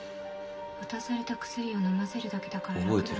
渡された薬を飲ませるだけだから楽だった